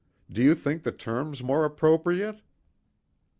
"Do you think the term's more appropriate?"